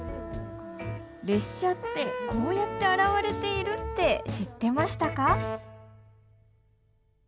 列車ってこうやって洗われているって知ってましたか？